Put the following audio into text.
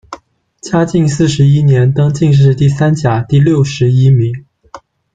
嘉靖四十一年，登进士第三甲第六十一名。